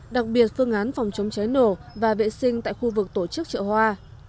đặc biệt phương án phòng chống cháy nổ và vệ sinh tại khu vực tổ chức chợ hoa